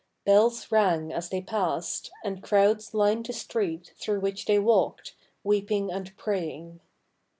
Belis rang as they passed, and crowds lined the streets through which they walked, weeping and praying.